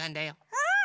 うん！